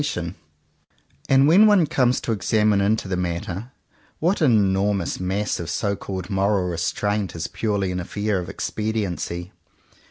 73 CONFESSIONS OF TWO BROTHERS And when one comes to examine into the matter, what an enormous mass of so called moral restraint is purely an affair of ex pediency!